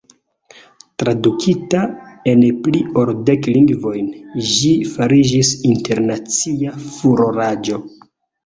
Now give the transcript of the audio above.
Tradukita en pli ol dek lingvojn, ĝi fariĝis internacia furoraĵo.